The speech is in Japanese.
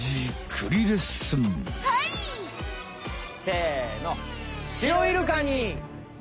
せの。